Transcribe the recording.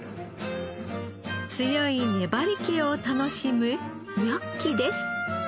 強い粘り気を楽しむニョッキです。